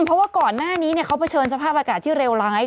เพราะว่าก่อนหน้านี้เขาเผชิญสภาพอากาศที่เลวร้าย